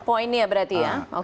poinnya berarti ya